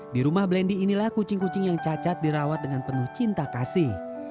di rumah blendy inilah kucing kucing yang cacat dirawat dengan penuh cinta kasih